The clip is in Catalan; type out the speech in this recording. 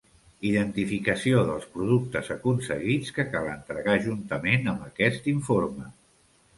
Identificació dels productes aconseguits que cal entregar juntament amb aquest informe.